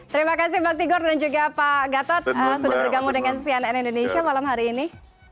terima kasih bang tigor dan juga pak gatot sudah bergabung dengan cnn indonesia malam hari ini